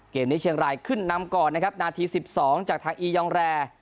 เกมนี้เชียงรายขึ้นนำก่อนนะครับนาที๑๒จากทางอียองแรร์